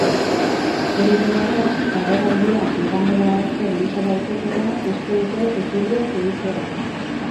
Hori dela-eta, agerraldia igandera arte luza daitekeela uste dute iturri judizialek.